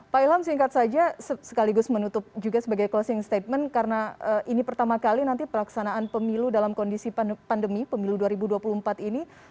pak ilham singkat saja sekaligus menutup juga sebagai closing statement karena ini pertama kali nanti pelaksanaan pemilu dalam kondisi pandemi pemilu dua ribu dua puluh empat ini